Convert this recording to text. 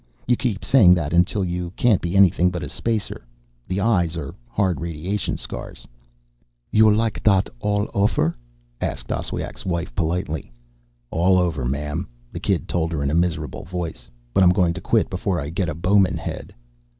You keep saying that until you can't be anything but a spacer. The eyes are hard radiation scars." "You like dot all ofer?" asked Oswiak's wife politely. "All over, ma'am," the kid told her in a miserable voice. "But I'm going to quit before I get a Bowman Head."